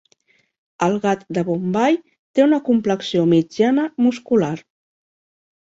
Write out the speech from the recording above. El gat de Bombai té una complexió mitjana muscular.